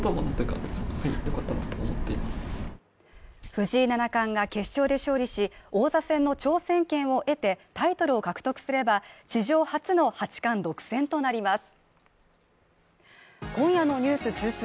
藤井七冠が決勝で勝利し、王座戦の挑戦権を得てタイトルを獲得すれば史上初の八冠独占となります。